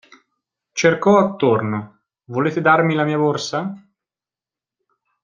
Cercò attorno: Volete darmi la mia borsa?